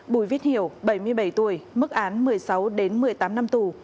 bùi viết hiểu bảy mươi bảy tuổi mức án một mươi sáu đến một mươi tám năm tù